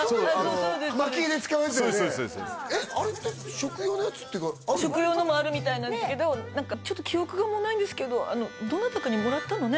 食用のもあるみたいなんですけどちょっと記憶がもうないんですけどどなたかにもらったのね